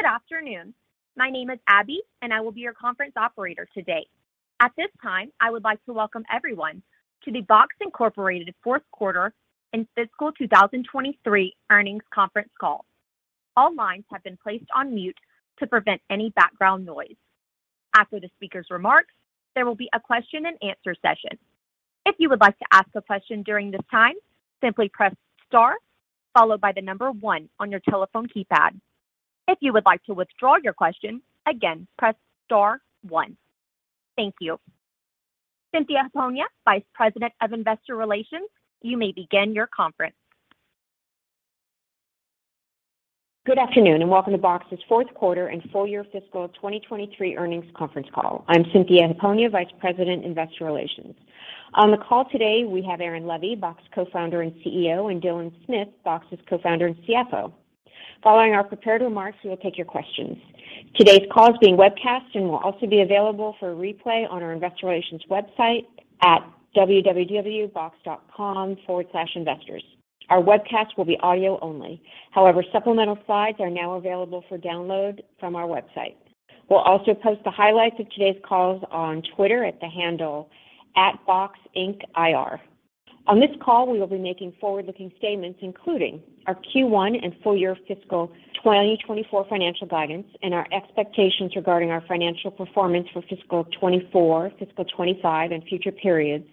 Good afternoon. My name is Abby. I will be your conference operator today. At this time, I would like to welcome everyone to the Box, Inc. fourth quarter and fiscal 2023 earnings conference call. All lines have been placed on mute to prevent any background noise. After the speaker's remarks, there will be a question and answer session. If you would like to ask a question during this time, simply press star followed by one on your telephone keypad. If you would like to withdraw your question, again, press star one. Thank you. Cynthia Hiponia, Vice President of Investor Relations, you may begin your conference. Good afternoon and welcome to Box's fourth quarter and full year fiscal 2023 earnings conference call. I'm Cynthia Hiponia, Vice President, Investor Relations. On the call today, we have Aaron Levie, Box Co-founder and CEO, and Dylan Smith, Box's Co-founder and CFO. Following our prepared remarks, we will take your questions. Today's call is being webcast and will also be available for replay on our investor relations website at www.box.com/investors. Our webcast will be audio only. However, supplemental slides are now available for download from our website. We'll also post the highlights of today's calls on Twitter at the handle, @BoxIncIR. On this call, we will be making forward-looking statements including our Q1 and full year fiscal 2024 financial guidance and our expectations regarding our financial performance for fiscal 2024, fiscal 2025, and future periods,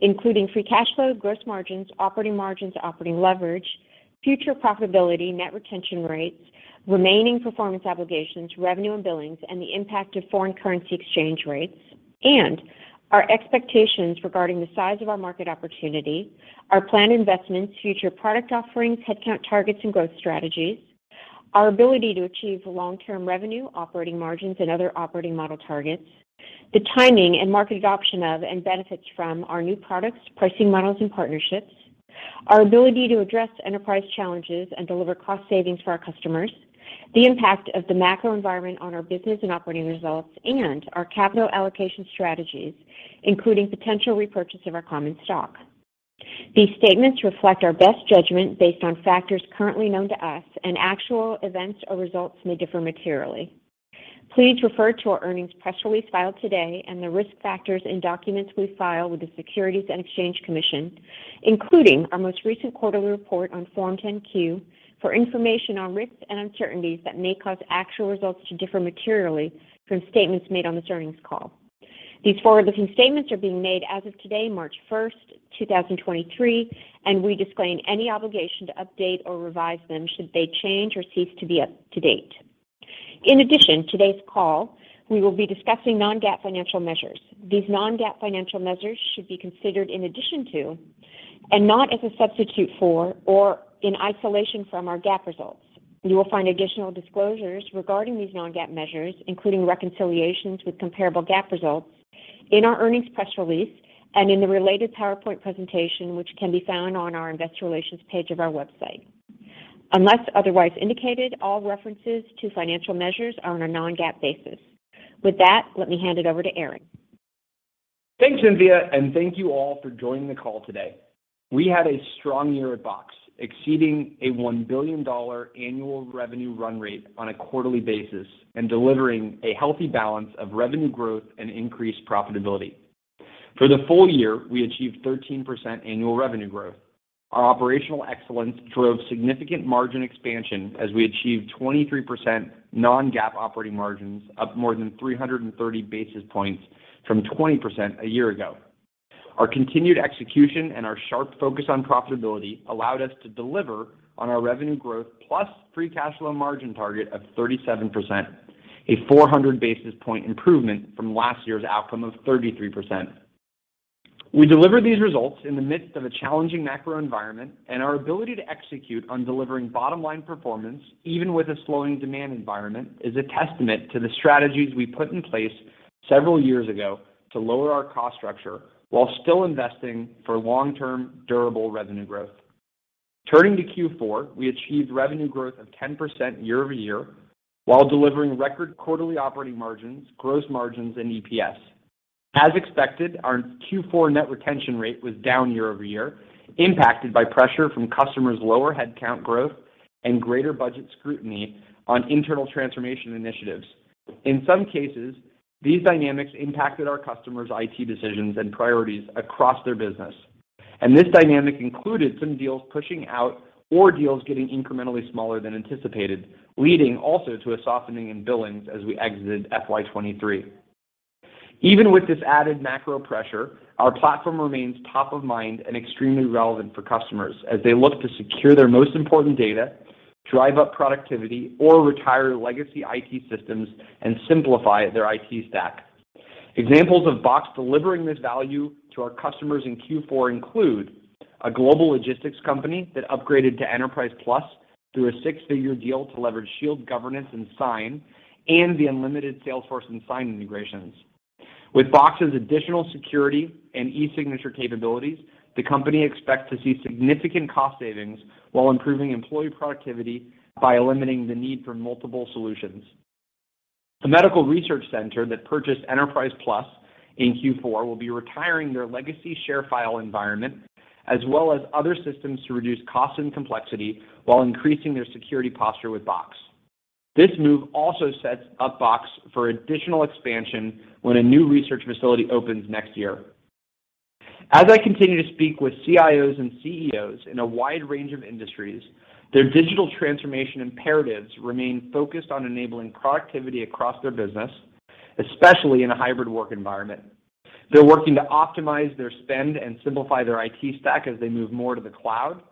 including free cash flow, gross margins, operating margins, operating leverage, future profitability, net retention rates, remaining performance obligations, revenue and billings, and the impact of foreign currency exchange rates, and our expectations regarding the size of our market opportunity, our planned investments, future product offerings, headcount targets, and growth strategies, our ability to achieve long-term revenue, operating margins, and other operating model targets, the timing and market adoption of and benefits from our new products, pricing models, and partnerships, our ability to address enterprise challenges and deliver cost savings for our customers, the impact of the macro environment on our business and operating results, and our capital allocation strategies, including potential repurchase of our common stock. These statements reflect our best judgment based on factors currently known to us, and actual events or results may differ materially. Please refer to our earnings press release filed today and the risk factors in documents we file with the Securities and Exchange Commission, including our most recent quarterly report on Form 10-Q for information on risks and uncertainties that may cause actual results to differ materially from statements made on this earnings call. These forward-looking statements are being made as of today, 1 March 2023, and we disclaim any obligation to update or revise them should they change or cease to be up to date. In addition, today's call, we will be discussing non-GAAP financial measures. These non-GAAP financial measures should be considered in addition to and not as a substitute for or in isolation from our GAAP results. You will find additional disclosures regarding these non-GAAP measures, including reconciliations with comparable GAAP results in our earnings press release and in the related PowerPoint presentation, which can be found on our investor relations page of our website. Unless otherwise indicated, all references to financial measures are on a non-GAAP basis. With that, let me hand it over to Aaron. Thanks, Cynthia. Thank you all for joining the call today. We had a strong year at Box, exceeding a $1 billion annual revenue run rate on a quarterly basis and delivering a healthy balance of revenue growth and increased profitability. For the full year, we achieved 13% annual revenue growth. Our operational excellence drove significant margin expansion as we achieved 23% non-GAAP operating margins, up more than 330 basis points from 20% a year ago. Our continued execution and our sharp focus on profitability allowed us to deliver on our revenue growth plus free cash flow margin target of 37%, a 400 basis point improvement from last year's outcome of 33%. We delivered these results in the midst of a challenging macro environment. Our ability to execute on delivering bottom line performance, even with a slowing demand environment, is a testament to the strategies we put in place several years ago to lower our cost structure while still investing for long-term, durable revenue growth. Turning to Q4, we achieved revenue growth of 10% year-over-year while delivering record quarterly operating margins, gross margins, and EPS. As expected, our Q4 net retention rate was down year-over-year, impacted by pressure from customers' lower headcount growth and greater budget scrutiny on internal transformation initiatives. In some cases, these dynamics impacted our customers' IT decisions and priorities across their business. This dynamic included some deals pushing out or deals getting incrementally smaller than anticipated, leading also to a softening in billings as we exited FY23. Even with this added macro pressure, our platform remains top of mind and extremely relevant for customers as they look to secure their most important data, drive up productivity, or retire legacy IT systems and simplify their IT stack. Examples of Box delivering this value to our customers in Q4 include a global logistics company that upgraded to Enterprise Plus through a six-figure deal to leverage Shield governance and Sign and the unlimited Salesforce and Sign integrations. With Box's additional security and e-signature capabilities, the company expects to see significant cost savings while improving employee productivity by eliminating the need for multiple solutions. The medical research center that purchased Enterprise Plus in Q4 will be retiring their legacy ShareFile environment as well as other systems to reduce cost and complexity while increasing their security posture with Box. This move also sets up Box for additional expansion when a new research facility opens next year. As I continue to speak with CIOs and CEOs in a wide range of industries, their digital transformation imperatives remain focused on enabling productivity across their business, especially in a hybrid work environment. They're working to optimize their spend and simplify their IT stack as they move more to the cloud,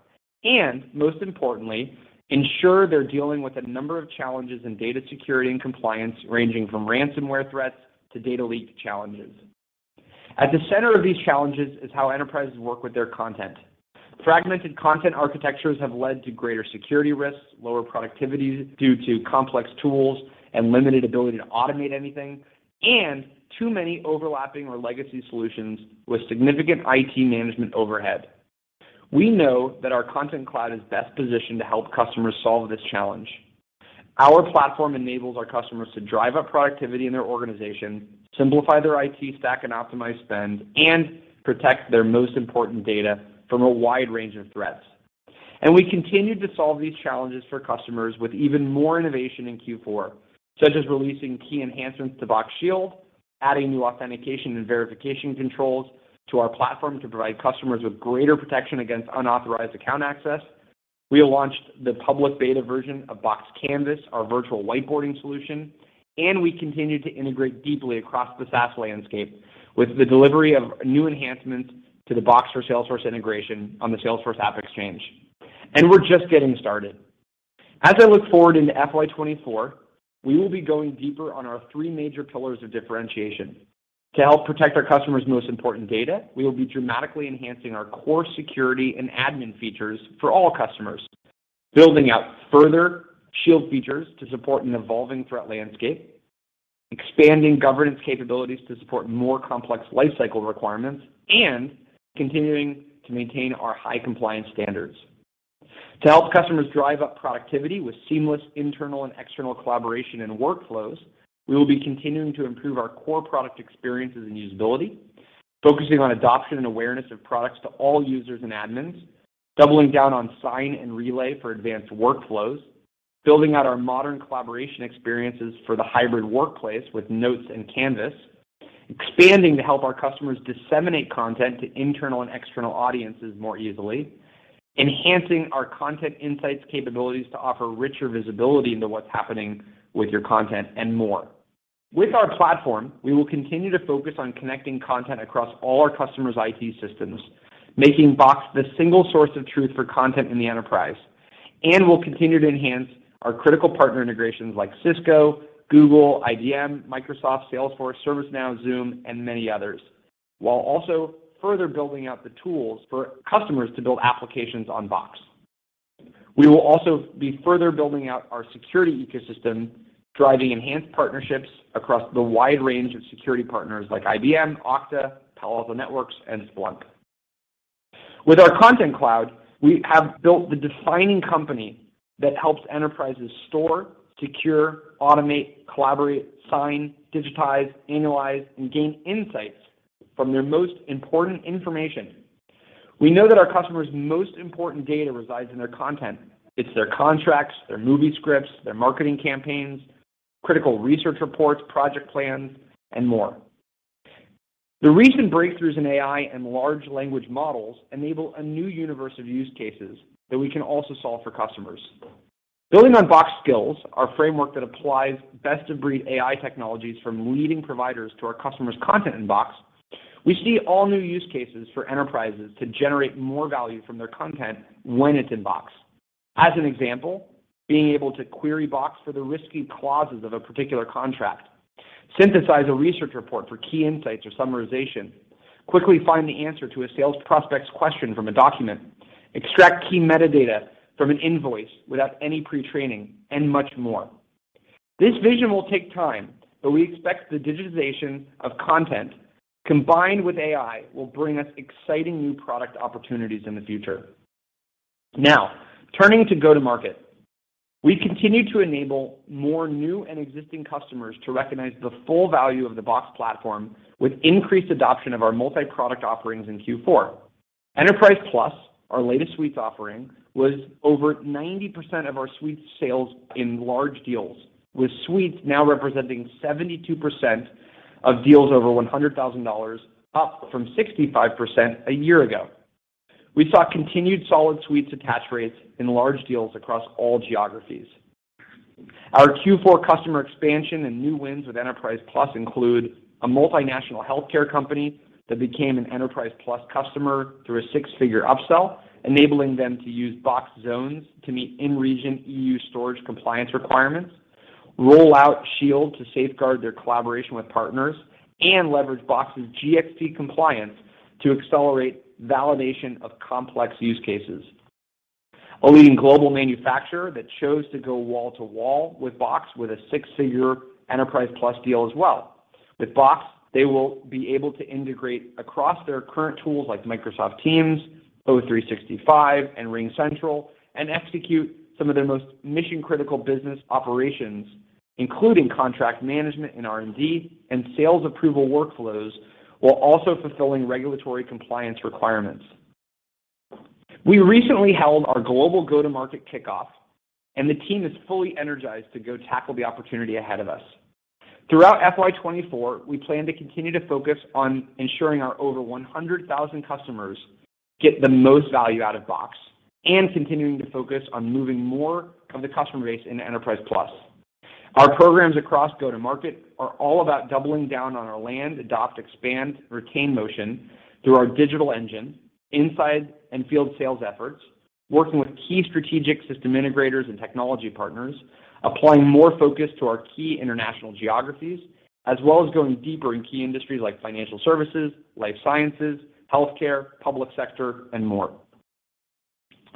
and most importantly, ensure they're dealing with a number of challenges in data security and compliance, ranging from ransomware threats to data leak challenges. At the center of these challenges is how enterprises work with their content. Fragmented content architectures have led to greater security risks, lower productivity due to complex tools and limited ability to automate anything, and too many overlapping or legacy solutions with significant IT management overhead. We know that our Content Cloud is best positioned to help customers solve this challenge. Our platform enables our customers to drive up productivity in their organization, simplify their IT stack, and optimize spend, and protect their most important data from a wide range of threats. We continued to solve these challenges for customers with even more innovation in Q4, such as releasing key enhancements to Box Shield, adding new authentication and verification controls to our platform to provide customers with greater protection against unauthorized account access. We launched the public beta version of Box Canvas, our virtual whiteboarding solution, and we continued to integrate deeply across the SaaS landscape with the delivery of new enhancements to the Box for Salesforce integration on the Salesforce AppExchange. We're just getting started. As I look forward into FY 2024, we will be going deeper on our three major pillars of differentiation. To help protect our customers' most important data, we will be dramatically enhancing our core security and admin features for all customers, building out further Shield features to support an evolving threat landscape, expanding governance capabilities to support more complex life cycle requirements, and continuing to maintain our high compliance standards. To help customers drive up productivity with seamless internal and external collaboration and workflows, we will be continuing to improve our core product experiences and usability, focusing on adoption and awareness of products to all users and admins, doubling down on Sign and Relay for advanced workflows, building out our modern collaboration experiences for the hybrid workplace with Notes and Canvas, expanding to help our customers disseminate content to internal and external audiences more easily, enhancing our content insights capabilities to offer richer visibility into what's happening with your content, and more. With our platform, we will continue to focus on connecting content across all our customers' IT systems, making Box the single source of truth for content in the enterprise. We'll continue to enhance our critical partner integrations like Cisco, Google, IBM, Microsoft, Salesforce, ServiceNow, Zoom, and many others, while also further building out the tools for customers to build applications on Box. We will also be further building out our security ecosystem, driving enhanced partnerships across the wide range of security partners like IBM, Okta, Palo Alto Networks, and Splunk. With our Content Cloud, we have built the defining company that helps enterprises store, secure, automate, collaborate, sign, digitize, analyze, and gain insights from their most important information. We know that our customers' most important data resides in their content. It's their contracts, their movie scripts, their marketing campaigns, critical research reports, project plans, and more. The recent breakthroughs in AI and large language models enable a new universe of use cases that we can also solve for customers. Building on Box Skills, our framework that applies best-of-breed AI technologies from leading providers to our customers' content in Box, we see all new use cases for enterprises to generate more value from their content when it's in Box. As an example, being able to query Box for the risky clauses of a particular contract, synthesize a research report for key insights or summarization, quickly find the answer to a sales prospect's question from a document, extract key metadata from an invoice without any pre-training, and much more. We expect the digitization of content combined with AI will bring us exciting new product opportunities in the future. Now, turning to go-to-market. We continue to enable more new and existing customers to recognize the full value of the Box platform with increased adoption of our multi-product offerings in Q4. Enterprise Plus, our latest Suites offering, was over 90% of our Suites sales in large deals, with Suites now representing 72% of deals over $100,000, up from 65% a year ago. We saw continued solid Suites attach rates in large deals across all geographies. Our Q4 customer expansion and new wins with Enterprise Plus include a multinational healthcare company that became an Enterprise Plus customer through a six-figure upsell, enabling them to use Box Zones to meet in-region EU storage compliance requirements, roll out Shield to safeguard their collaboration with partners, and leverage Box's GXP compliance to accelerate validation of complex use cases. A leading global manufacturer that chose to go wall-to-wall with Box with a six-figure Enterprise Plus deal as well. With Box, they will be able to integrate across their current tools like Microsoft Teams, O365, and RingCentral, and execute some of their most mission-critical business operations, including contract management and R&D, and sales approval workflows, while also fulfilling regulatory compliance requirements. We recently held our global go-to-market kickoff. The team is fully energized to go tackle the opportunity ahead of us. Throughout FY 2024, we plan to continue to focus on ensuring our over 100,000 customers get the most value out of Box and continuing to focus on moving more of the customer base into Enterprise Plus. Our programs across go-to-market are all about doubling down on our land, adopt, expand, retain motion through our digital engine inside and field sales efforts, working with key strategic system integrators and technology partners, applying more focus to our key international geographies, as well as going deeper in key industries like financial services, life sciences, healthcare, public sector, and more.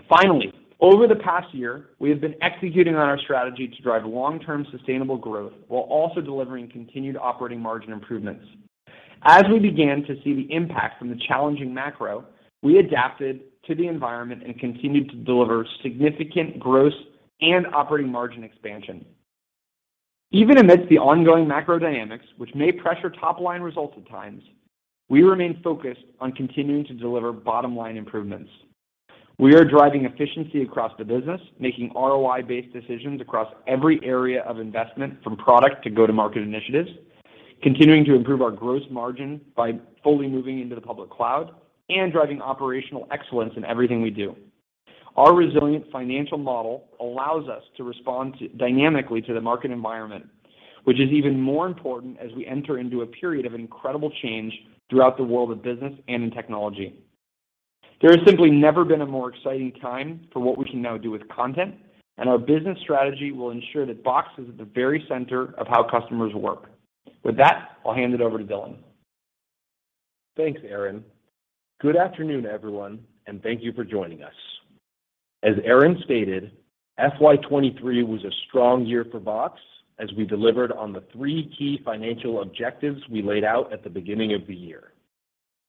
Finally, over the past year, we have been executing on our strategy to drive long-term sustainable growth while also delivering continued operating margin improvements. As we began to see the impact from the challenging macro, we adapted to the environment and continued to deliver significant gross and operating margin expansion. Even amidst the ongoing macro dynamics, which may pressure top-line results at times, we remain focused on continuing to deliver bottom-line improvements. We are driving efficiency across the business, making ROI-based decisions across every area of investment from product to go-to-market initiatives, continuing to improve our gross margin by fully moving into the public cloud, and driving operational excellence in everything we do. Our resilient financial model allows us to respond to dynamically to the market environment, which is even more important as we enter into a period of incredible change throughout the world of business and in technology. There has simply never been a more exciting time for what we can now do with content, and our business strategy will ensure that Box is at the very center of how customers work. With that, I'll hand it over to Dylan. Thanks, Aaron. Good afternoon, everyone, and thank you for joining us. As Aaron stated, FY 2023 was a strong year for Box as we delivered on the three key financial objectives we laid out at the beginning of the year.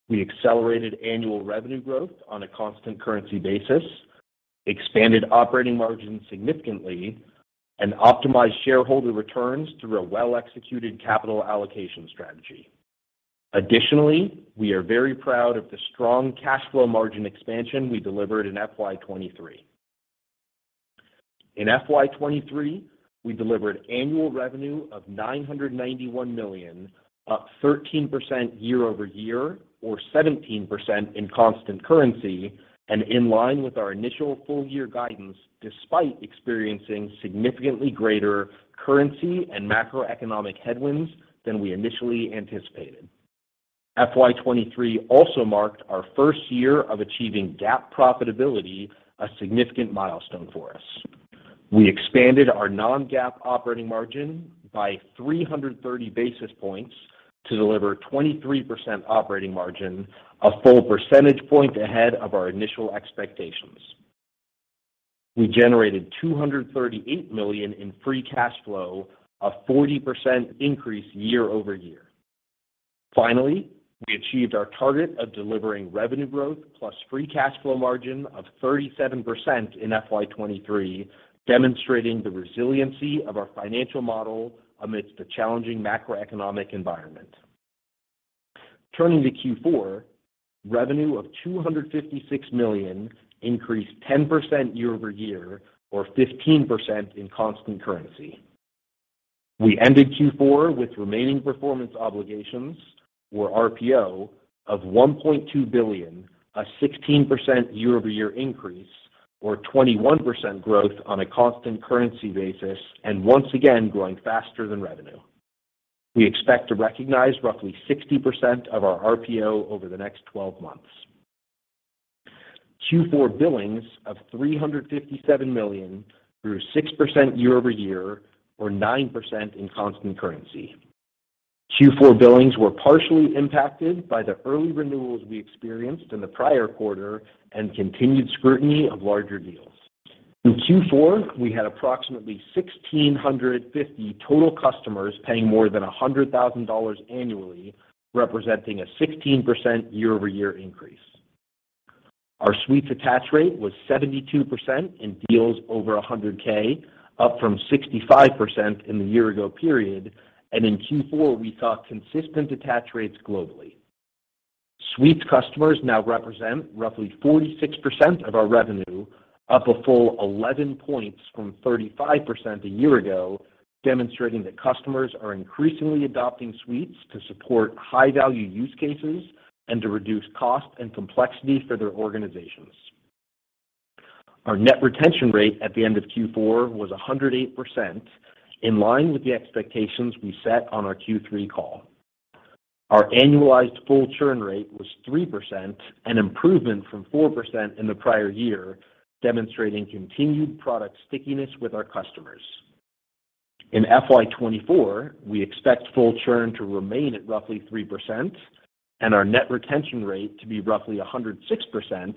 We accelerated annual revenue growth on a constant currency basis, expanded operating margin significantly, and optimized shareholder returns through a well-executed capital allocation strategy. Additionally, we are very proud of the strong cash flow margin expansion we delivered in FY 2023. In FY 2023, we delivered annual revenue of $991 million, up 13% year-over-year or 17% in constant currency, and in line with our initial full year guidance despite experiencing significantly greater currency and macroeconomic headwinds than we initially anticipated. FY 2023 also marked our first year of achieving GAAP profitability, a significant milestone for us. We expanded our non-GAAP operating margin by 330 basis points to deliver 23% operating margin, a full percentage point ahead of our initial expectations. We generated $238 million in free cash flow, a 40% increase year-over-year. We achieved our target of delivering revenue growth plus free cash flow margin of 37% in FY23, demonstrating the resiliency of our financial model amidst a challenging macroeconomic environment. Turning to Q4, revenue of $256 million increased 10% year-over-year or 15% in constant currency. We ended Q4 with remaining performance obligations or RPO of $1.2 billion, a 16% year-over-year increase or 21% growth on a constant currency basis, once again growing faster than revenue. We expect to recognize roughly 60% of our RPO over the next twelve months. Q4 billings of $357 million grew 6% year-over-year or 9% in constant currency. Q4 billings were partially impacted by the early renewals we experienced in the prior quarter and continued scrutiny of larger deals. In Q4, we had approximately 1,650 total customers paying more than $100,000 annually, representing a 16% year-over-year increase. Our Suites attach rate was 72% in deals over $100K, up from 65% in the year ago period. In Q4, we saw consistent attach rates globally. Suites customers now represent roughly 46% of our revenue, up a full 11 points from 35% a year ago, demonstrating that customers are increasingly adopting Suites to support high-value use cases and to reduce cost and complexity for their organizations. Our net retention rate at the end of Q4 was 108% in line with the expectations we set on our Q3 call. Our annualized full churn rate was 3%, an improvement from 4% in the prior year, demonstrating continued product stickiness with our customers. In FY 2024, we expect full churn to remain at roughly 3%. Our net retention rate to be roughly 106%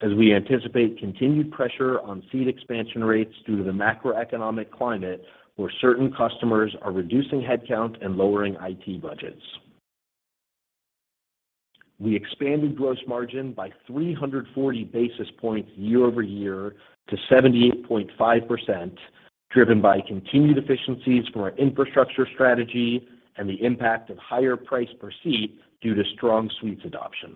as we anticipate continued pressure on seat expansion rates due to the macroeconomic climate where certain customers are reducing headcount and lowering IT budgets. We expanded gross margin by 340 basis points year-over-year to 78.5%, driven by continued efficiencies from our infrastructure strategy and the impact of higher price per seat due to strong Suites adoption.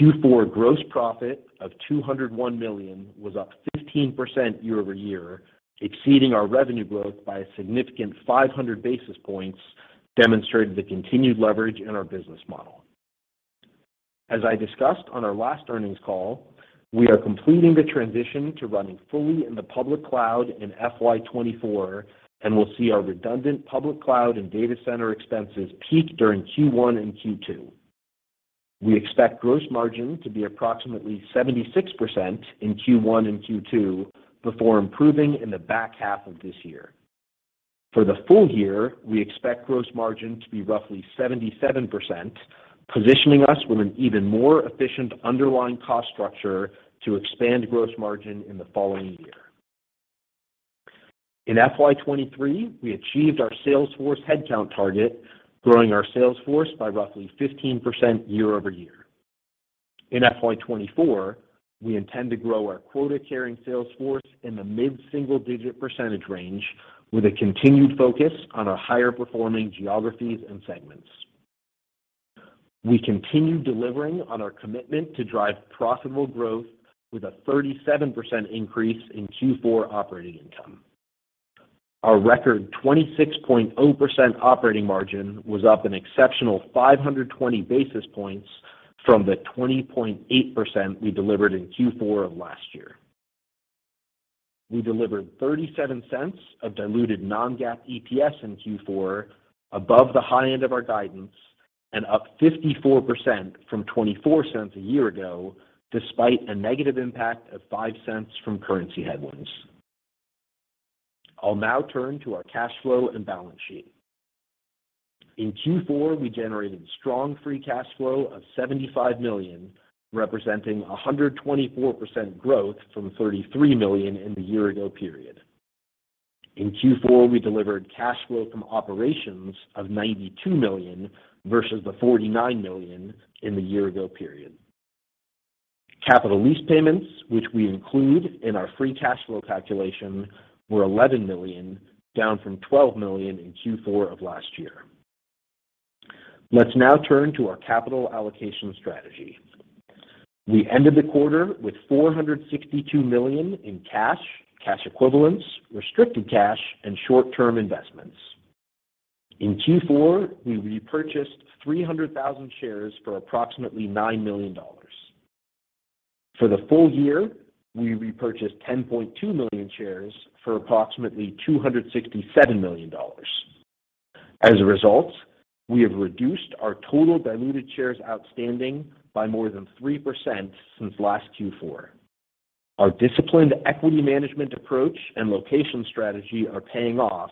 Q4 gross profit of $201 million was up 15% year-over-year, exceeding our revenue growth by a significant 500 basis points, demonstrating the continued leverage in our business model. As I discussed on our last earnings call, we are completing the transition to running fully in the public cloud in FY 2024, and we'll see our redundant public cloud and data center expenses peak during Q1 and Q2. We expect gross margin to be approximately 76% in Q1 and Q2 before improving in the back half of this year. For the full year, we expect gross margin to be roughly 77%, positioning us with an even more efficient underlying cost structure to expand gross margin in the following year. In FY 2023, we achieved our sales force headcount target, growing our sales force by roughly 15% year-over-year. In FY 2024, we intend to grow our quota-carrying sales force in the mid-single-digit percentage range with a continued focus on our higher-performing geographies and segments. We continue delivering on our commitment to drive profitable growth with a 37% increase in Q4 operating income. Our record 26.0% operating margin was up an exceptional 520 basis points from the 20.8% we delivered in Q4 of last year. We delivered $0.37 of diluted non-GAAP EPS in Q4 above the high end of our guidance and up 54% from $0.24 a year ago, despite a negative impact of $0.05 from currency headwinds. I'll now turn to our cash flow and balance sheet. In Q4, we generated strong free cash flow of $75 million, representing a 124% growth from $33 million in the year ago period. In Q4, we delivered cash flow from operations of $92 million versus the $49 million in the year ago period. Capital lease payments, which we include in our free cash flow calculation, were $11 million, down from $12 million in Q4 of last year. Let's now turn to our capital allocation strategy. We ended the quarter with $462 million in cash equivalents, restricted cash, and short-term investments. In Q4, we repurchased 300,000 shares for approximately $9 million. For the full year, we repurchased 10.2 million shares for approximately $267 million. As a result, we have reduced our total diluted shares outstanding by more than 3% since last Q4. Our disciplined equity management approach and location strategy are paying off,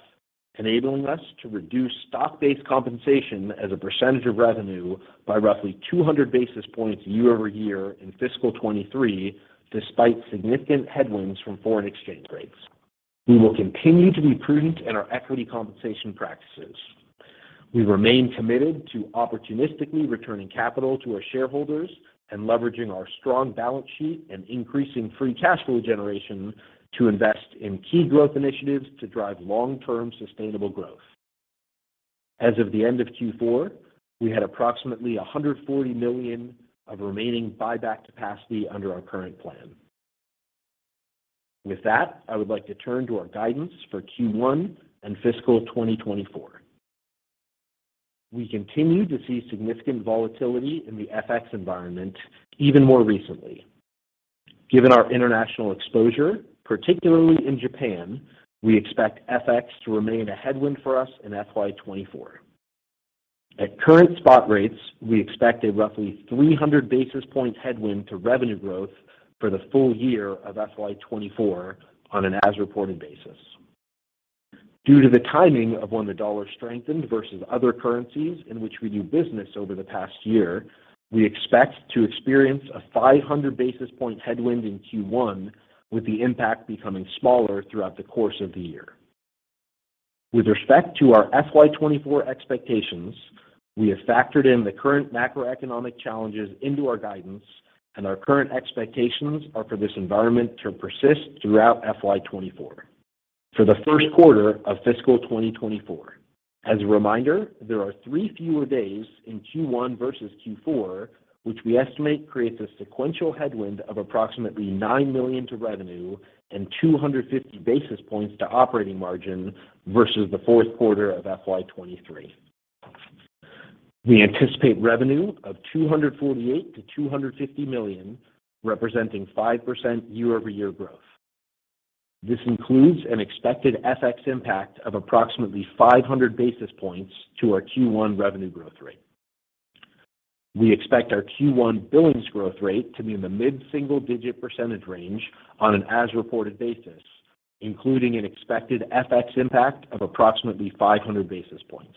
enabling us to reduce stock-based compensation as a percentage of revenue by roughly 200 basis points year-over-year in fiscal 2023 despite significant headwinds from foreign exchange rates. We will continue to be prudent in our equity compensation practices. We remain committed to opportunistically returning capital to our shareholders and leveraging our strong balance sheet and increasing free cash flow generation to invest in key growth initiatives to drive long-term sustainable growth. As of the end of Q4, we had approximately $140 million of remaining buyback capacity under our current plan. I would like to turn to our guidance for Q1 and fiscal 2024. We continue to see significant volatility in the FX environment even more recently. Given our international exposure, particularly in Japan, we expect FX to remain a headwind for us in FY 2024. At current spot rates, we expect a roughly 300 basis point headwind to revenue growth for the full year of FY 2024 on an as-reported basis. Due to the timing of when the dollar strengthened versus other currencies in which we do business over the past year, we expect to experience a 500 basis point headwind in Q1, with the impact becoming smaller throughout the course of the year. With respect to our FY 2024 expectations, we have factored in the current macroeconomic challenges into our guidance, and our current expectations are for this environment to persist throughout FY 2024. For the first quarter of fiscal 2024, as a reminder, there are three fewer days in Q1 versus Q4, which we estimate creates a sequential headwind of approximately $9 million to revenue and 250 basis points to operating margin versus the fourth quarter of FY 2023. We anticipate revenue of $248 million-$250 million, representing 5% year-over-year growth. This includes an expected FX impact of approximately 500 basis points to our Q1 revenue growth rate. We expect our Q1 billings growth rate to be in the mid-single digit percentage range on an as-reported basis. Including an expected FX impact of approximately 500 basis points.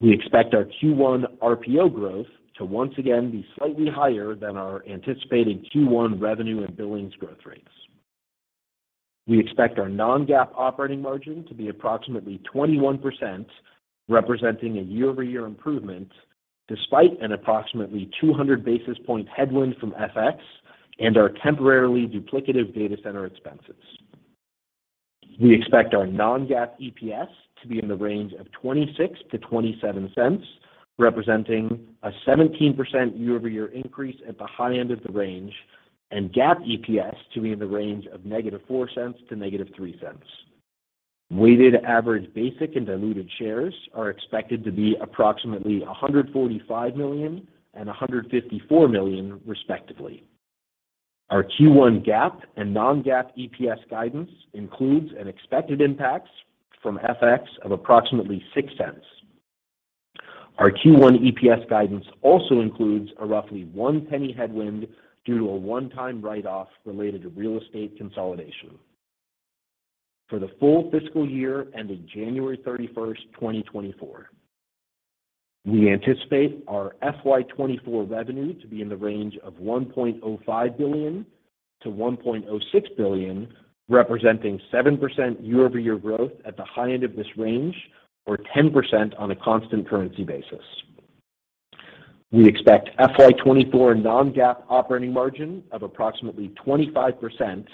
We expect our Q1 RPO growth to once again be slightly higher than our anticipated Q1 revenue and billings growth rates. We expect our non-GAAP operating margin to be approximately 21%, representing a year-over-year improvement despite an approximately 200 basis point headwind from FX and our temporarily duplicative data center expenses. We expect our non-GAAP EPS to be in the range of $0.26-$0.27, representing a 17% year-over-year increase at the high end of the range, and GAAP EPS to be in the range of -$0.04 to -$0.03. Weighted average basic and diluted shares are expected to be approximately 145 million and 154 million, respectively. Our Q1 GAAP and non-GAAP EPS guidance includes an expected impacts from FX of approximately $0.06. Our Q1 EPS guidance also includes a roughly $0.01 headwind due to a one-time write-off related to real estate consolidation. For the full fiscal year ending 31st January 2024, we anticipate our FY24 revenue to be in the range of $1.05 billion-$1.06 billion, representing 7% year-over-year growth at the high end of this range or 10% on a constant currency basis. We expect FY24 non-GAAP operating margin of approximately 25%,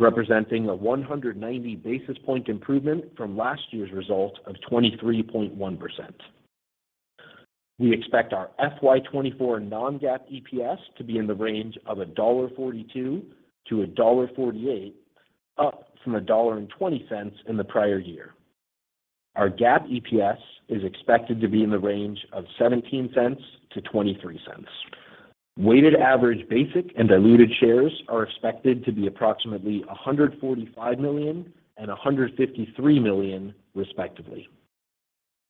representing a 190 basis point improvement from last year's result of 23.1%. We expect our FY24 non-GAAP EPS to be in the range of $1.42-$1.48, up from $1.20 in the prior year. Our GAAP EPS is expected to be in the range of $0.17-$0.23. Weighted average basic and diluted shares are expected to be approximately $145 million and $153 million, respectively.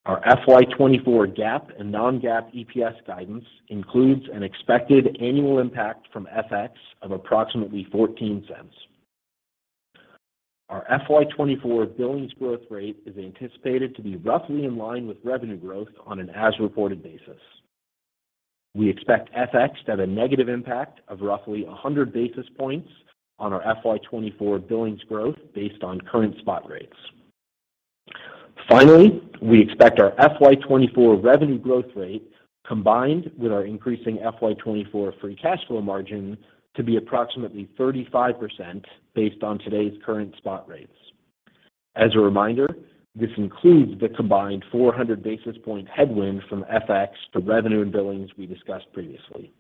Our FY24 GAAP and non-GAAP EPS guidance includes an expected annual impact from FX of approximately $0.14. Our FY24 billings growth rate is anticipated to be roughly in line with revenue growth on an as-reported basis. We expect FX to have a negative impact of roughly 100 basis points on our FY24 billings growth based on current spot rates. Finally, we expect our FY24 revenue growth rate combined with our increasing FY24 free cash flow margin to be approximately 35% based on today's current spot rates. As a reminder, this includes the combined 400 basis point headwind from FX to revenue and billings we discussed previously.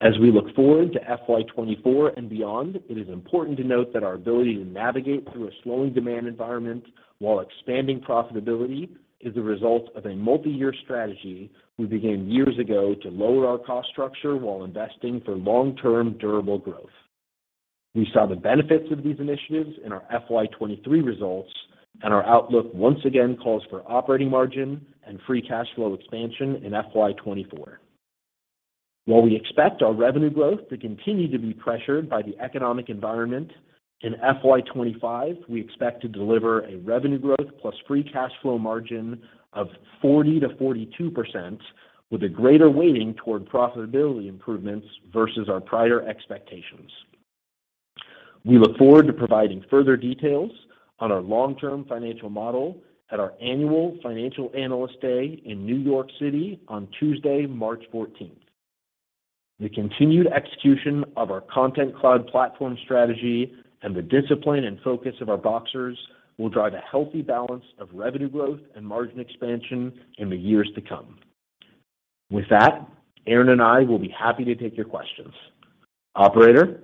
As we look forward to FY 2024 and beyond, it is important to note that our ability to navigate through a slowing demand environment while expanding profitability is the result of a multi-year strategy we began years ago to lower our cost structure while investing for long-term durable growth. We saw the benefits of these initiatives in our FY 2023 results, and our outlook once again calls for operating margin and free cash flow expansion in FY 2024. While we expect our revenue growth to continue to be pressured by the economic environment, in FY 2025, we expect to deliver a revenue growth plus free cash flow margin of 40%-42% with a greater weighting toward profitability improvements versus our prior expectations. We look forward to providing further details on our long-term financial model at our Annual Financial Analyst Day in NY City on Tuesday, 14th March. The continued execution of our Content Cloud platform strategy and the discipline and focus of our Boxers will drive a healthy balance of revenue growth and margin expansion in the years to come. With that, Aaron and I will be happy to take your questions. Operator?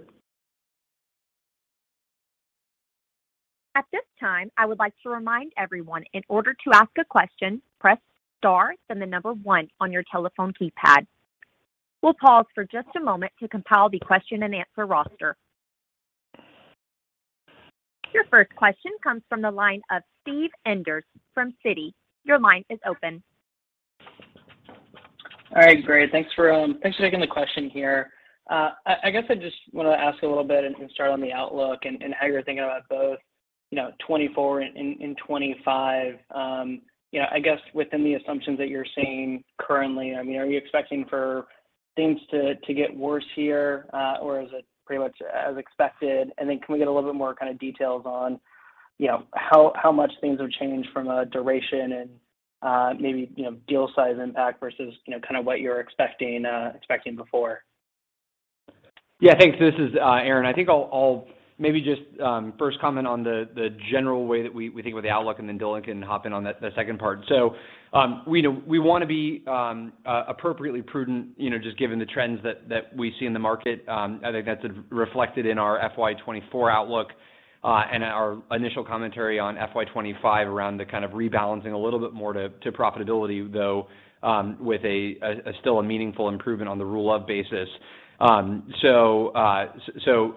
At this time, I would like to remind everyone, in order to ask a question, press star, then the number one on your telephone keypad. We'll pause for just a moment to compile the question-and-answer roster. Your first question comes from the line of Steve Enders from Citi. Your line is open. All right, great. Thanks for, thanks for taking the question here. I guess I just wanted to ask a little bit and start on the outlook and how you're thinking about both, 2024 and 2025. You know, I guess within the assumptions that you're seeing currently, I mean, are you expecting for things to get worse here, or is it pretty much as expected? Then can we get a little bit more kind of details on, how much things have changed from a duration and, maybe deal size impact versus, you know, kind of what you're expecting before? Yeah, thanks. This is Aaron. I think I'll maybe just first comment on the general way that we think about the outlook, and then Dylan can hop in on the second part. We wanna be appropriately prudent, just given the trends that we see in the market. I think that's reflected in our FY 2024 outlook, and our initial commentary on FY 2025 around the kind of rebalancing a little bit more to profitability though, with a still a meaningful improvement on the rule of basis. I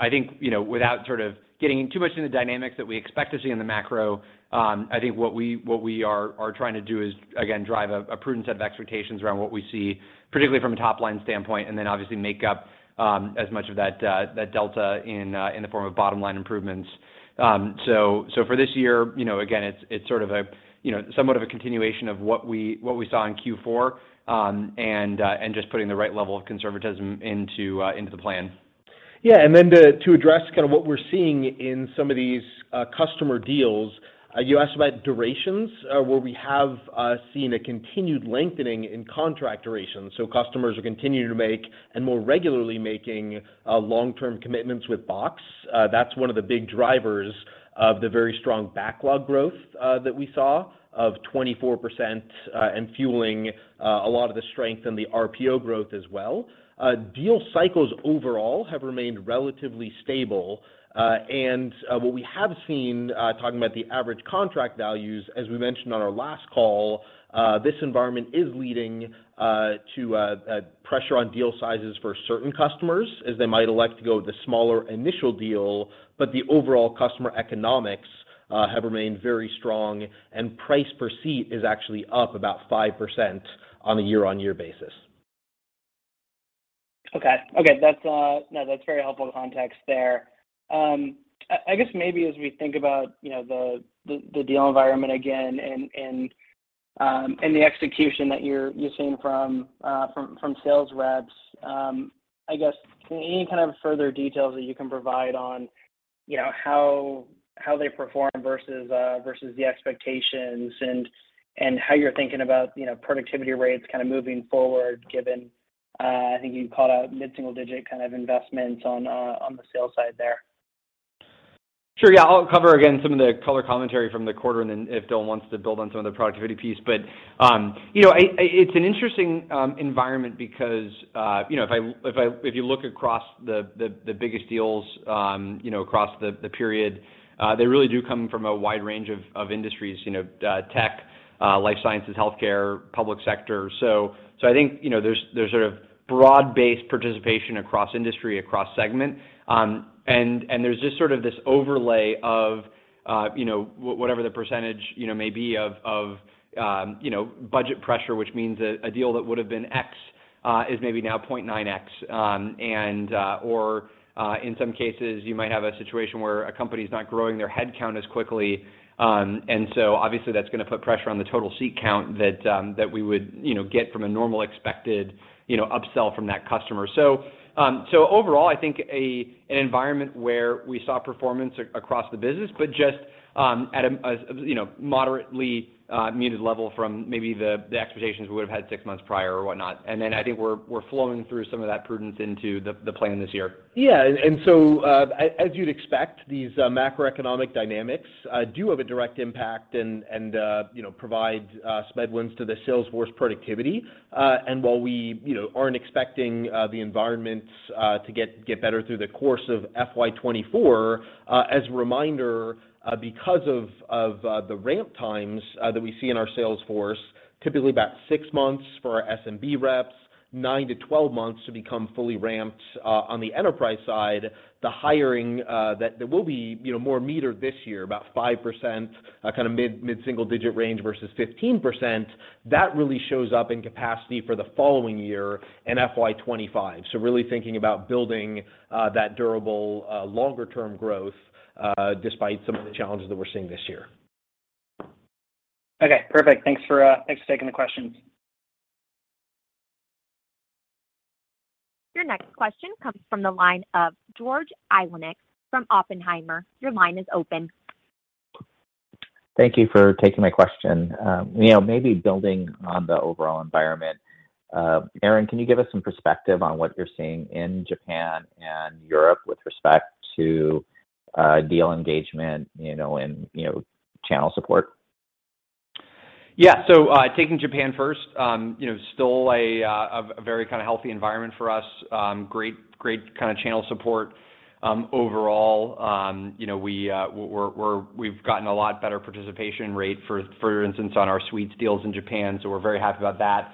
think, you know, without sort of getting too much into the dynamics that we expect to see in the macro, I think what we, what we are trying to do is, again, drive a prudent set of expectations around what we see, particularly from a top-line standpoint, and then obviously make up as much of that delta in the form of bottom-line improvements. For this year again, it's sort of a somewhat of a continuation of what we, what we saw in Q4, and just putting the right level of conservatism into the plan. Yeah. To address kind of what we're seeing in some of these customer deals, you asked about durations, where we have seen a continued lengthening in contract duration. Customers are continuing to make, and more regularly making, long-term commitments with Box. That's one of the big drivers of the very strong backlog growth, that we saw of 24%, and fueling a lot of the strength in the RPO growth as well. Deal cycles overall have remained relatively stable. What we have seen, talking about the average contract values, as we mentioned on our last call, this environment is leading to a pressure on deal sizes for certain customers as they might elect to go with a smaller initial deal, but the overall customer economics have remained very strong, and price per seat is actually up about 5% on a year-over-year basis. Okay. Okay. That's, no, that's very helpful context there. I guess maybe as we think about, the deal environment again and the execution that you're using from sales reps, I guess any kind of further details that you can provide on, how they perform versus the expectations and how you're thinking about, you know, productivity rates kind of moving forward given, I think you called out mid-single digit kind of investments on the sales side there? Sure, yeah. I'll cover again some of the color commentary from the quarter, and then if Dylan wants to build on some of the productivity piece. But, you know, it's an interesting environment because, you know, if you look across the biggest deals, across the period, they really do come from a wide range of industries. You know, tech, life sciences, healthcare, public sector. So I think, there's sort of broad-based participation across industry, across segment. And there's just sort of this overlay of, whatever the percentage, you know, may be of budget pressure, which means that a deal that would have been X, is maybe now 0.9X. In some cases, you might have a situation where a company's not growing their headcount as quickly. Obviously, that's gonna put pressure on the total seat count that we would get from a normal expected upsell from that customer. Overall, I think an environment where we saw performance across the business, but just at a, you know, moderately muted level from maybe the expectations we would've had six months prior or whatnot. I think we're flowing through some of that prudence into the plan this year. As, as you'd expect, these macroeconomic dynamics do have a direct impact and provide some headwinds to the sales force productivity. While we, you know, aren't expecting the environment to get better through the course of FY 2024, as a reminder, because of the ramp times that we see in our sales force, typically about six months for our SMB reps, nine-twelve months to become fully ramped, on the enterprise side, the hiring that there will be, you know, more metered this year, about 5%, kind of mid-single digit range versus 15%, that really shows up in capacity for the following year in FY 2025. Really thinking about building, that durable, longer term growth, despite some of the challenges that we're seeing this year. Okay. Perfect. Thanks for, thanks for taking the questions. Your next question comes from the line of George Iwanyc from Oppenheimer. Your line is open. Thank you for taking my question. You know, maybe building on the overall environment, Aaron, can you give us some perspective on what you're seeing in Japan and EU with respect to deal engagement, you know, and, you know, channel support? Yeah. Taking Japan first, you know, still a very kind of healthy environment for us. Great kind of channel support. Overall, you know, we're we've gotten a lot better participation rate, for instance, on our Suites deals in Japan, so we're very happy about that.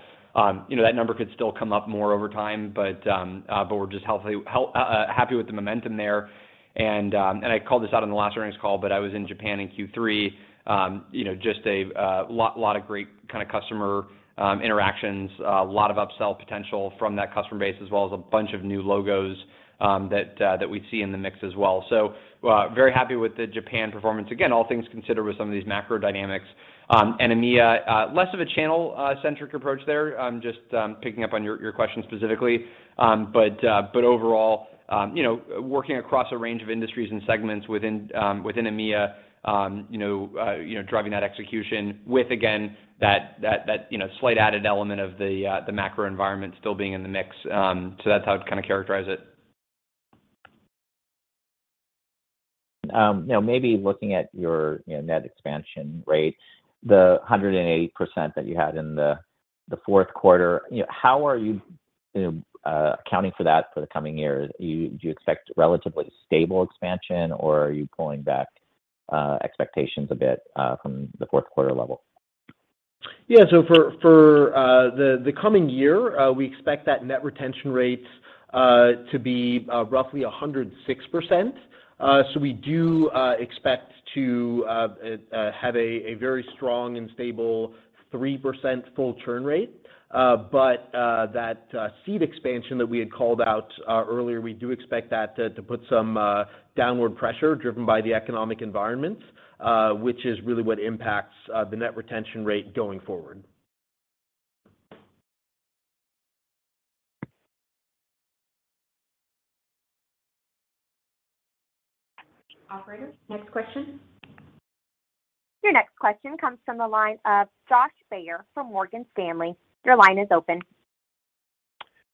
You know, that number could still come up more over time, but we're just happy with the momentum there. I called this out on the last earnings call, but I was in Japan in Q3. You know, just a lot of great kind of customer interactions, lot of upsell potential from that customer base, as well as a bunch of new logos that we'd see in the mix as well. Very happy with the Japan performance. Again, all things considered with some of these macro dynamics. EMEA, less of a channel centric approach there, just picking up on your question specifically. Overall, you know, working across a range of industries and segments within EMEA, you know, driving that execution with, again, that, you know, slight added element of the macro environment still being in the mix. That's how I'd kind of characterize it. You know, maybe looking at your, you know, net expansion rate, the 180% that you had in the fourth quarter, you know, how are you know, accounting for that for the coming year? Do you expect relatively stable expansion, or are you pulling back expectations a bit from the fourth quarter level? Yeah. For the coming year, we expect that net retention rates to be roughly 106%. We do expect to have a very strong and stable 3% full churn rate. That seat expansion that we had called out earlier, we do expect that to put some downward pressure driven by the economic environment, which is really what impacts the net retention rate going forward. Operator, next question. Your next question comes from the line of Josh Baer from Morgan Stanley. Your line is open.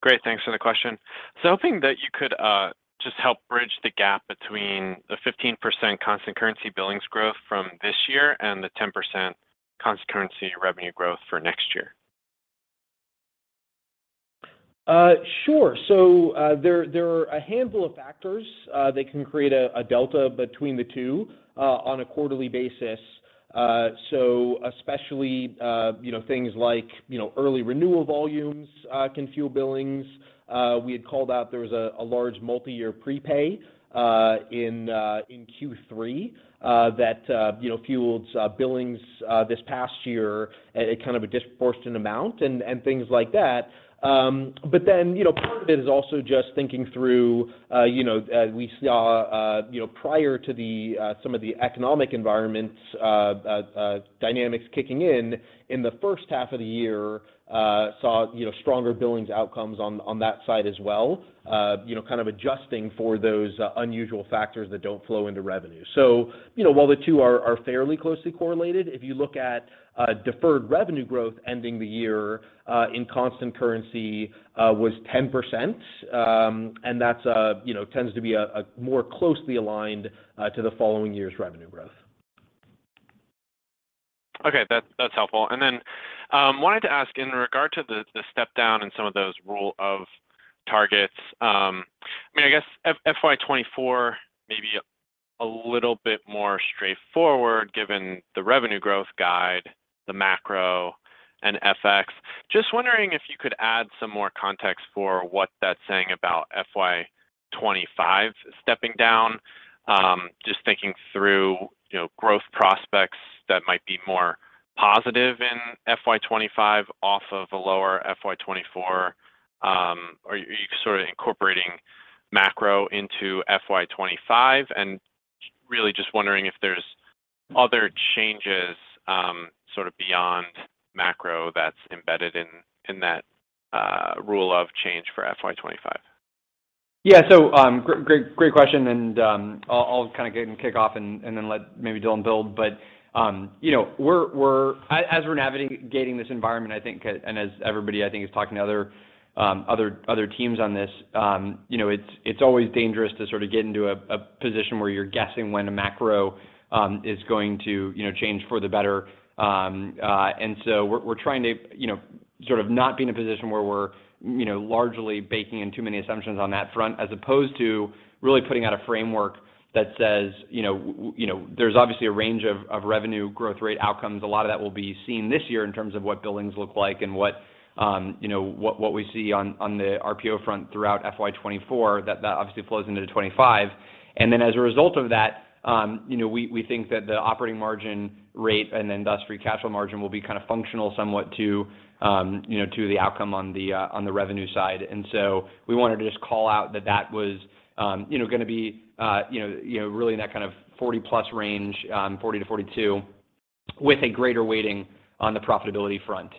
Great. Thanks for the question. Hoping that you could just help bridge the gap between the 15% constant currency billings growth from this year and the 10% constant currency revenue growth for next year. Sure. There are a handful of factors that can create a delta between the two on a quarterly basis. Especially, you know, things like, you know, early renewal volumes can fuel billings. We had called out there was a large multi-year prepay in Q3 that, you know, fueled billings this past year at kind of a disproportionate amount and things like that. You know, part of it is also just thinking through, you know, we saw, you know, prior to the some of the economic environments dynamics kicking in in the first half of the year, saw, you know, stronger billings outcomes on that side as well, you know, kind of adjusting for those unusual factors that don't flow into revenue. You know, while the two are fairly closely correlated, if you look at deferred revenue growth ending the year in constant currency, was 10%, and that's, you know, tends to be a more closely aligned to the following year's revenue growth. Okay. That's helpful. wanted to ask in regard to the step down in some of those rule of targets, I mean, I guess FY 2024 may be a little bit more straightforward given the revenue growth guide, the macro, and FX. Just wondering if you could add some more context for what that's saying about FY 2025 stepping down. Just thinking through, you know, growth prospects that might be more positive in FY 2025 off of a lower FY 2024. Are you sort of incorporating macro into FY 2025? Really just wondering if there's other changes, sort of beyond macro that's embedded in that rule of change for FY 2025. Great, great question, and I'll kind of get and kick off and then let maybe Dylan build. You know, as we're navigating this environment, I think, and as everybody, I think, is talking to other teams on this, you know, it's always dangerous to sort of get into a position where you're guessing when a macro is going to, you know, change for the better. We're trying to, you know, sort of not be in a position where we're, you know, largely baking in too many assumptions on that front, as opposed to really putting out a framework that says, you know, you know, there's obviously a range of revenue growth rate outcomes. A lot of that will be seen this year in terms of what billings look like and what, you know, what we see on the RPO front throughout FY 2024, that obviously flows into 2025. As a result of that, you know, we think that the operating margin rate and then thus free cash flow margin will be kind of functional somewhat to, you know, to the outcome on the revenue side. We wanted to just call out that that was, you know, gonna be, you know, really in that kind of 40-plus range, 40-42, with a greater weighting on the profitability front.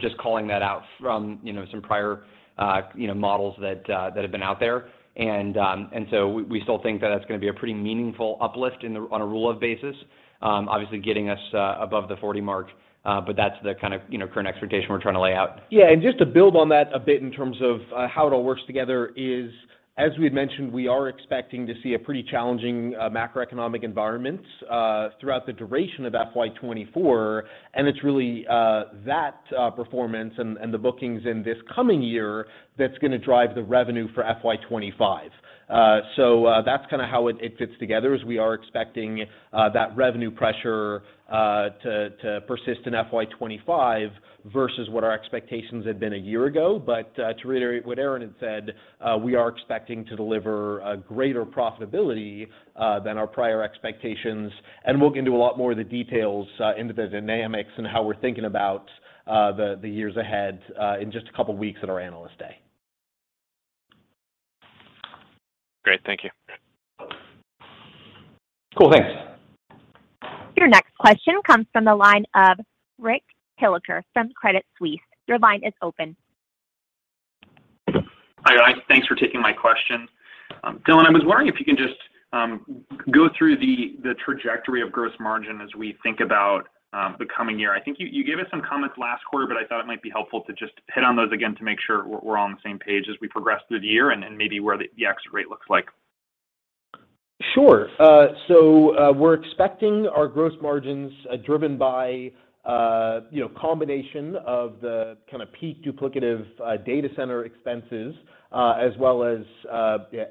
Just calling that out from, you know, some prior, you know, models that have been out there. We, we still think that that's gonna be a pretty meaningful uplift on a rule of basis, obviously getting us above the 40 mark. That's the kind of, you know, current expectation we're trying to lay out. Yeah. Just to build on that a bit in terms of how it all works together is, as we had mentioned, we are expecting to see a pretty challenging macroeconomic environment throughout the duration of FY 24, and it's really that performance and the bookings in this coming year that's gonna drive the revenue for FY 25. That's kinda how it fits together is we are expecting that revenue pressure to persist in FY 25 versus what our expectations had been a year ago. To reiterate what Aaron had said, we are expecting to deliver a greater profitability than our prior expectations. We'll get into a lot more of the details, into the dynamics and how we're thinking about, the years ahead, in just a couple weeks at our Analyst Day. Great. Thank you. Cool. Thanks. Your next question comes from the line of Rich Hilliker from Credit Suisse. Your line is open. Hi, guys. Thanks for taking my question. Dylan, I was wondering if you can just go through the trajectory of gross margin as we think about the coming year. I think you gave us some comments last quarter, but I thought it might be helpful to just hit on those again to make sure we're on the same page as we progress through the year and maybe where the exit rate looks like. Sure. We're expecting our gross margins, driven by, you know, combination of the kinda peak duplicative, data center expenses, as well as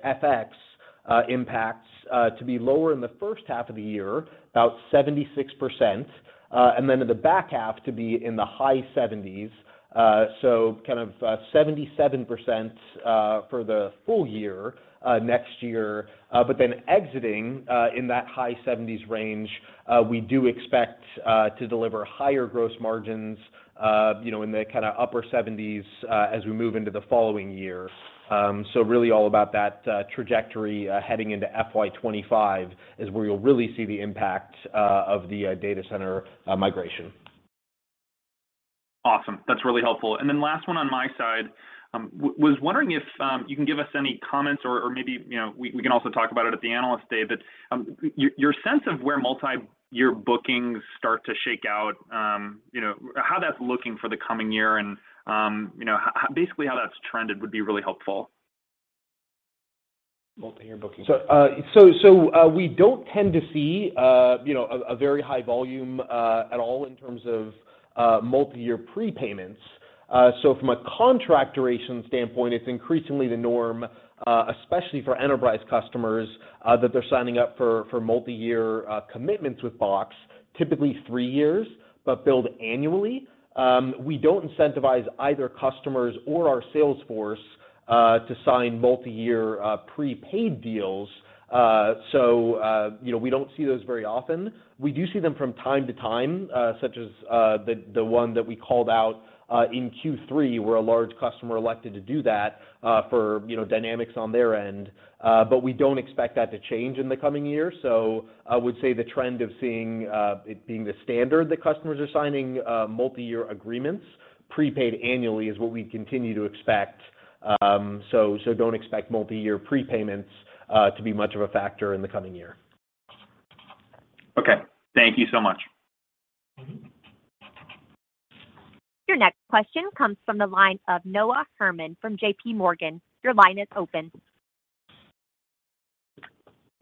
FX impacts, to be lower in the first half of the year, about 76%, and then in the back half to be in the high 70s. Kind of, 77%, for the full year, next year. Exiting in that high 70s range, we do expect to deliver higher gross margins, you know, in the kinda upper 70s, as we move into the following year. Really all about that trajectory heading into FY25 is where you'll really see the impact of the data center migration. Awesome. That's really helpful. Last one on my side, was wondering if you can give us any comments or maybe, you know, we can also talk about it at the Analyst Day, but your sense of where multi-year bookings start to shake out, you know, how that's looking for the coming year and, you know, basically how that's trended would be really helpful. Multi-year bookings. We don't tend to see, you know, a very high volume at all in terms of multi-year prepayments. From a contract duration standpoint, it's increasingly the norm, especially for enterprise customers, that they're signing up for multi-year commitments with Box, typically three years, but billed annually. We don't incentivize either customers or our sales force to sign multi-year prepaid deals. You know, we don't see those very often. We do see them from time to time, such as the one that we called out in Q3, where a large customer elected to do that for, you know, dynamics on their end. We don't expect that to change in the coming year. I would say the trend of seeing, it being the standard that customers are signing, multi-year agreements prepaid annually is what we continue to expect. Don't expect multi-year prepayments to be much of a factor in the coming year. Okay. Thank you so much. Mm-hmm. Your next question comes from the line of Noah Herman from JPMorgan. Your line is open.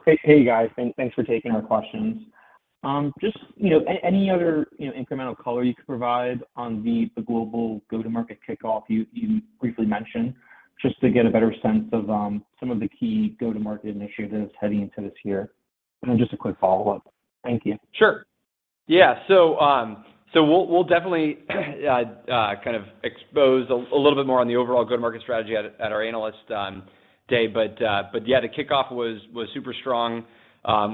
Hey, hey, guys. Thanks for taking our questions. Just, you know, any other, you know, incremental color you could provide on the global go-to-market kickoff you briefly mentioned, just to get a better sense of some of the key go-to-market initiatives heading into this year? Just a quick follow-up. Thank you. Sure. Yeah. We'll definitely kind of expose a little bit more on the overall go-to-market strategy at our Analyst Day. Yeah, the kickoff was super strong.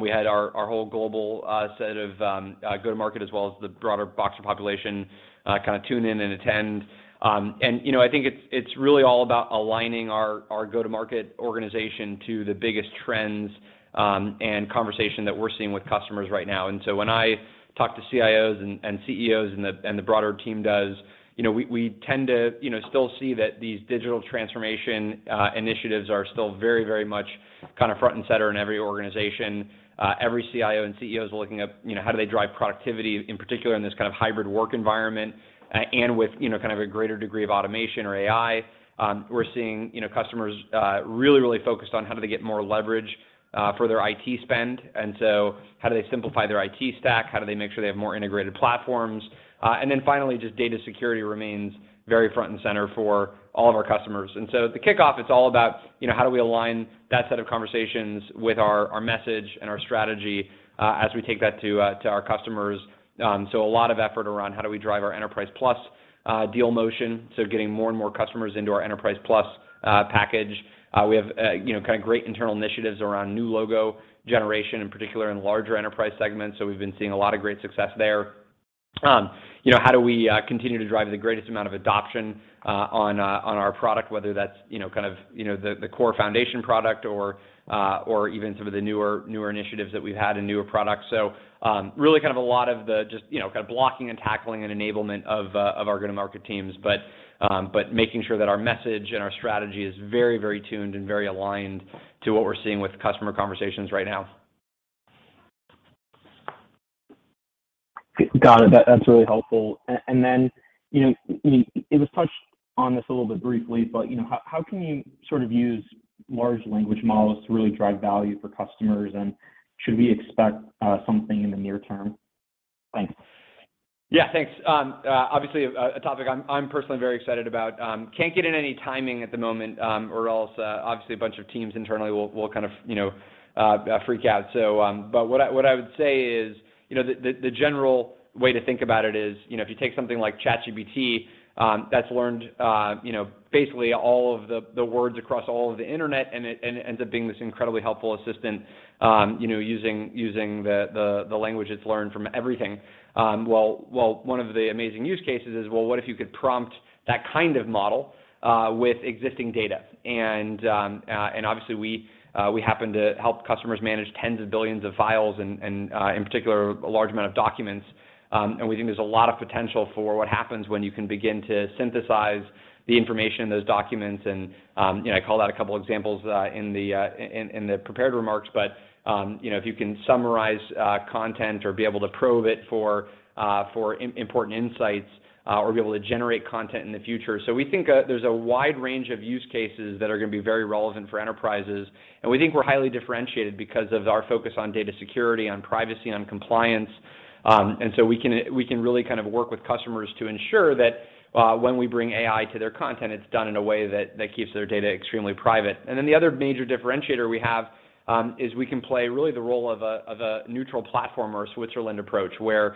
We had our whole global set of go-to-market, as well as the broader Boxer population, kind of tune in and attend. You know, I think it's really all about aligning our go-to-market organization to the biggest trends and conversation that we're seeing with customers right now. When I talk to CIOs and CEOs and the broader team does, you know, we tend to, you know, still see that these digital transformation initiatives are still very much kind of front and center in every organization. Every CIO and CEO is looking at, you know, how do they drive productivity, in particular in this kind of hybrid work environment, and with, you know, kind of a greater degree of automation or AI. We're seeing, you know, customers, really, really focused on how do they get more leverage for their IT spend, and so how do they simplify their IT stack, how do they make sure they have more integrated platforms. And then finally, just data security remains very front and center for all of our customers. The kickoff, it's all about, you know, how do we align that set of conversations with our message and our strategy, as we take that to our customers. A lot of effort around how do we drive our Enterprise Plus deal motion, so getting more and more customers into our Enterprise Plus package. We have, you know, kind of great internal initiatives around new logo generation, in particular in larger enterprise segments, so we've been seeing a lot of great success there. You know, how do we continue to drive the greatest amount of adoption on our product, whether that's, you know, kind of, you know, the core foundation product or even some of the newer initiatives that we've had and newer products. Really kind of a lot of the just, you know, kind of blocking and tackling and enablement of our go-to-market teams, but making sure that our message and our strategy is very tuned and very aligned to what we're seeing with customer conversations right now. Got it. That's really helpful. Then, you know, it was touched on this a little bit briefly, but, you know, how can you sort of use large language models to really drive value for customers, and should we expect something in the near term? Thanks. Yeah, thanks. Obviously a topic I'm personally very excited about. Can't get into any timing at the moment, or else, obviously a bunch of teams internally will kind of, you know, freak out. What I would say is, you know, the general way to think about it is, you know, if you take something like ChatGPT, that's learned, you know, basically all of the words across all of the internet, and it ends up being this incredibly helpful assistant, you know, using the language it's learned from everything. Well, one of the amazing use cases is, well, what if you could prompt that kind of model with existing data? Obviously we happen to help customers manage tens of billions of files and, in particular, a large amount of documents, and we think there's a lot of potential for what happens when you can begin to synthesize the information in those documents and, you know, I called out a couple examples in the, in the prepared remarks, but, you know, if you can summarize content or be able to probe it for important insights, or be able to generate content in the future. We think there's a wide range of use cases that are gonna be very relevant for enterprises, and we think we're highly differentiated because of our focus on data security, on privacy, on compliance. We can really kind of work with customers to ensure that when we bring AI to their content, it's done in a way that keeps their data extremely private. The other major differentiator we have is we can play really the role of a neutral platform or a Switzerland approach, where,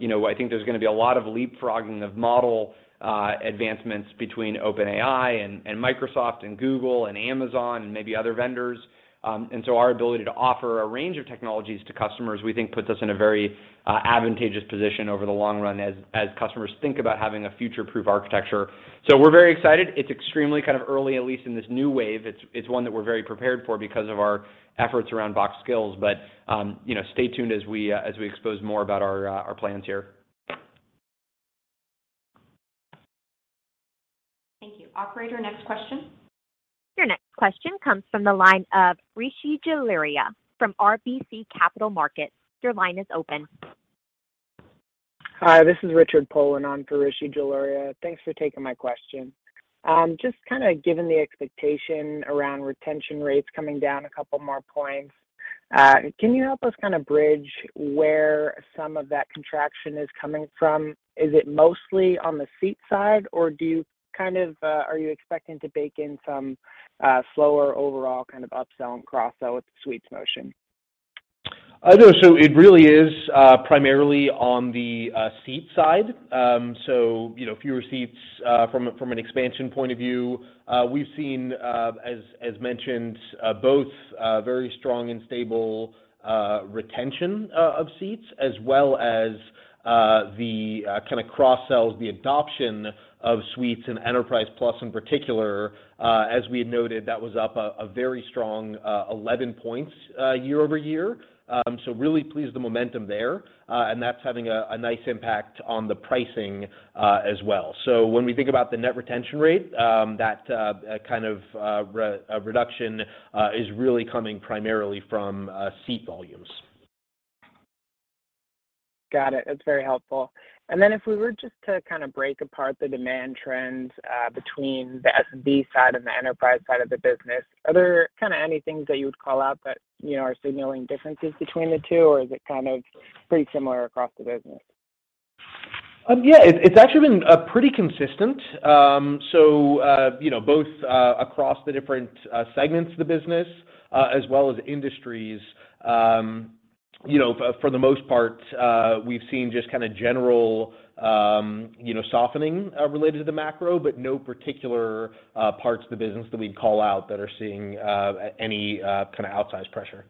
you know, I think there's gonna be a lot of leapfrogging of model advancements between OpenAI and Microsoft and Google and Amazon and maybe other vendors. Our ability to offer a range of technologies to customers, we think puts us in a very advantageous position over the long run as customers think about having a future-proof architecture. We're very excited. It's extremely kind of early, at least in this new wave. It's one that we're very prepared for because of our efforts around Box Skills. You know, stay tuned as we expose more about our plans here. Operator, next question. Your next question comes from the line of Rishi Jaluria from RBC Capital Markets. Your line is open. Hi, this is Richard Poland on for Rishi Jaluria. Thanks for taking my question. Just kind of given the expectation around retention rates coming down a couple more points, can you help us kind of bridge where some of that contraction is coming from? Is it mostly on the seat side, or do you kind of, are you expecting to bake in some, slower overall kind of upsell and cross-sell with the Suites motion? No. It really is primarily on the seat side. You know, fewer seats from an expansion point of view. We've seen as mentioned both very strong and stable retention of seats, as well as the kinda cross-sells, the adoption of Suites and Enterprise Plus in particular. As we had noted, that was up a very strong 11 points year-over-year. Really pleased with the momentum there. That's having a nice impact on the pricing as well. When we think about the net retention rate, that kind of reduction is really coming primarily from seat volumes. Got it. That's very helpful. If we were just to kind of break apart the demand trends, between the SMB side and the enterprise side of the business, are there kind of any things that you would call out that, you know, are signaling differences between the two? Or is it kind of pretty similar across the business? Yeah. It's actually been pretty consistent. You know both, across the different segments of the business, as well as industries. You know, for the most part, we've seen just kinda general, you know, softening, related to the macro, but no particular parts of the business that we'd call out that are seeing any kinda outsized pressure.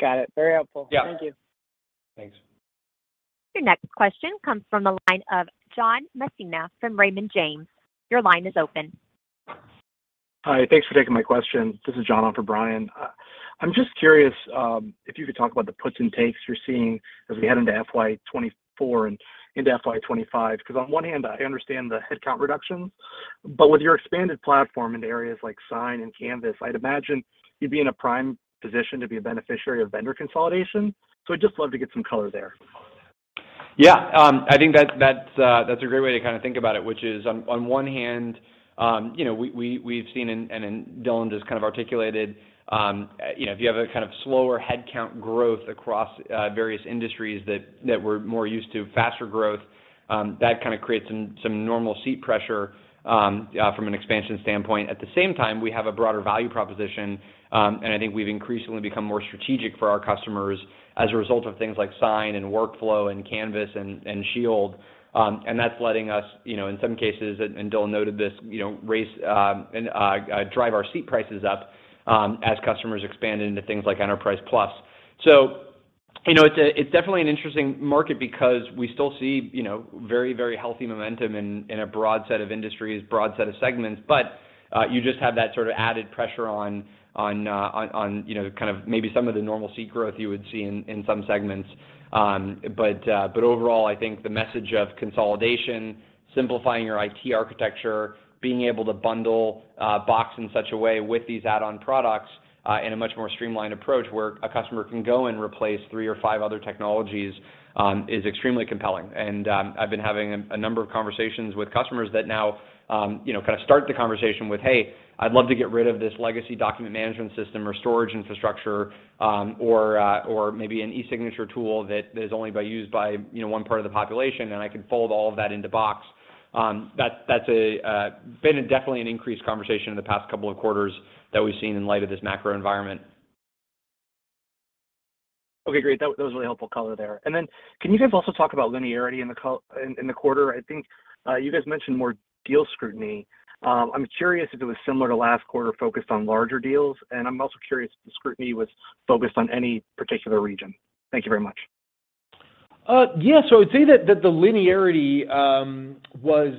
Got it. Very helpful. Yeah. Thank you. Thanks. Your next question comes from the line of John Messina from Raymond James. Your line is open. Hi, thanks for taking my question. This is John on for Brian. I'm just curious, if you could talk about the puts and takes you're seeing as we head into FY 2024 and into FY 2025. 'Cause on one hand, I understand the headcount reductions, but with your expanded platform into areas like Sign and Canvas, I'd imagine you'd be in a prime position to be a beneficiary of vendor consolidation. I'd just love to get some color there. Yeah. I think that's a great way to kinda think about it, which is on one hand, you know, we've seen, and then Dylan just kind of articulated, you know, if you have a kind of slower headcount growth across various industries that we're more used to faster growth, that kinda creates some normal seat pressure from an expansion standpoint. At the same time, we have a broader value proposition, and I think we've increasingly become more strategic for our customers as a result of things like Sign and Workflow and Canvas and Shield. That's letting us, you know, in some cases, and Dylan noted this, you know, raise, and drive our seat prices up as customers expand into things like Enterprise Plus. You know, it's a, it's definitely an interesting market because we still see, you know, very, very healthy momentum in a broad set of industries, broad set of segments. You just have that sort of added pressure on, you know, kind of maybe some of the normal seat growth you would see in some segments. Overall, I think the message of consolidation, simplifying your IT architecture, being able to bundle Box in such a way with these add-on products, in a much more streamlined approach, where a customer can go and replace 3 or 5 other technologies, is extremely compelling. I've been having a number of conversations with customers that now, you know, kinda start the conversation with, "Hey, I'd love to get rid of this legacy document management system or storage infrastructure, or maybe an e-signature tool that is only by use by, you know, one part of the population, and I can fold all of that into Box." That's been definitely an increased conversation in the past couple of quarters that we've seen in light of this macro environment. Okay, great. That was really helpful color there. Can you guys also talk about linearity in the quarter? I think you guys mentioned more deal scrutiny. I'm curious if it was similar to last quarter focused on larger deals, and I'm also curious if the scrutiny was focused on any particular region. Thank you very much. Yeah. I'd say that the linearity was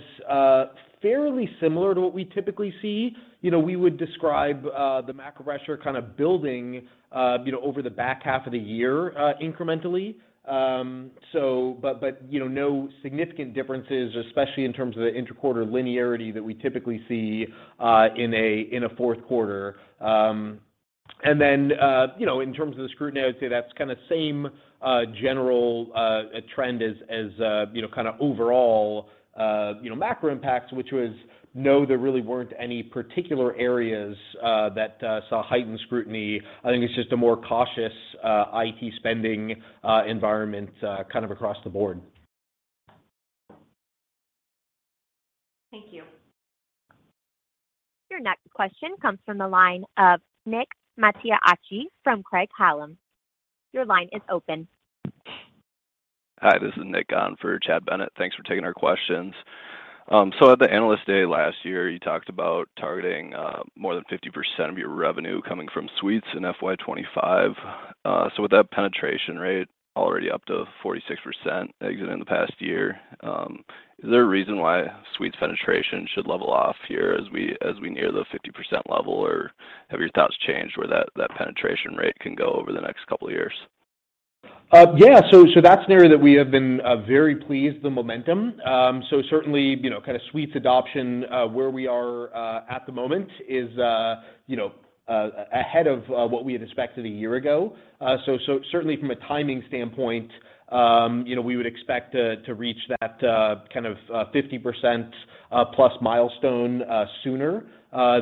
fairly similar to what we typically see. You know, we would describe the macro pressure kinda building, you know, over the back half of the year incrementally. But, you know, no significant differences, especially in terms of the inter-quarter linearity that we typically see in a fourth quarter. Then, you know, in terms of the scrutiny, I would say that's kinda same general trend as, you know, kinda overall, you know, macro impacts, which was no, there really weren't any particular areas that saw heightened scrutiny. I think it's just a more cautious IT spending environment kind of across the board. Thank you. Your next question comes from the line of Nick Mattiacci from Craig-Hallum. Your line is open. Hi, this is Nick on for Chad Bennett. Thanks for taking our questions. At the Analyst Day last year, you talked about targeting more than 50% of your revenue coming from Suites in FY 2025. With that penetration rate already up to 46% exiting the past year, is there a reason why Suites penetration should level off here as we near the 50% level? Or have your thoughts changed where that penetration rate can go over the next couple of years? Yeah. That's an area that we have been very pleased with the momentum. Certainly, you know, kinda Suites adoption, where we are at the moment is, you know, ahead of what we had expected a year ago. Certainly from a timing standpoint, you know, we would expect to reach that kind of 50% plus milestone sooner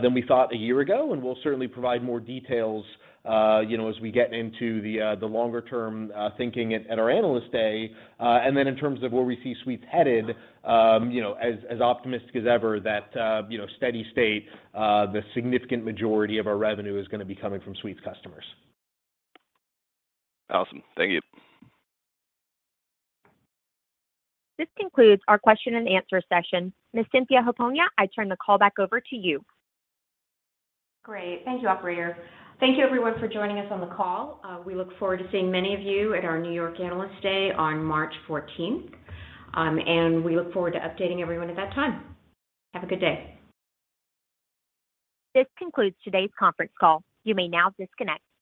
than we thought a year ago, and we'll certainly provide more details, you know, as we get into the longer term thinking at our Analyst Day. In terms of where we see Suites headed, you know, as optimistic as ever that, you know, steady state, the significant majority of our revenue is gonna be coming from Suites customers. Awesome. Thank you. This concludes our question and answer session. Ms. Cynthia Hiponia, I turn the call back over to you. Great. Thank you, operator. Thank you everyone for joining us on the call. We look forward to seeing many of you at our NY Analyst Day on 14th March. We look forward to updating everyone at that time. Have a good day. This concludes today's conference call. You may now disconnect.